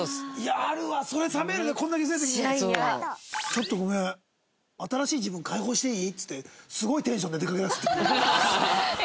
「ちょっとごめん新しい自分解放していい？」っつってすごいテンションで出かけるヤツ。